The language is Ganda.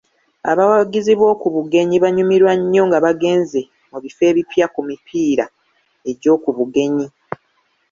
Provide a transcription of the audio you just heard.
Abawagizi b'oku bugenyi banyumirwa nnyo nga bagenze mu bifo ebipya ku mipiira egy'oku bugenyi.